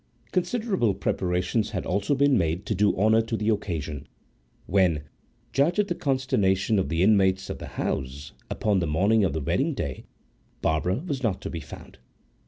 Considerable preparations had also been made to do honour to the occasion, when—judge of the consternation of the inmates of the house!—upon the morning of the wedding day Barbara was not to be found.